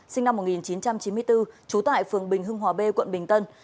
sinh năm một nghìn chín trăm chín mươi bốn trú tại phường bình hưng hòa b quận bình tân